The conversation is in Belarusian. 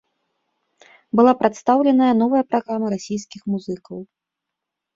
Была прадстаўленая новая праграма расійскіх музыкаў.